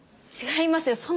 違いますよ